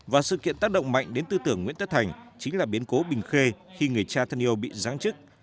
và sự kiện tác động mạnh đến tư tưởng nguyễn tất thành chính là biến cố bình khê khi người cha thân yêu bị giáng chức